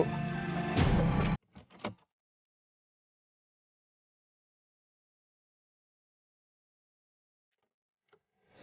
ya terima kasih